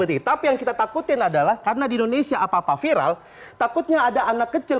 tapi yang kita takutin adalah karena di indonesia apa apa viral takutnya ada anak kecil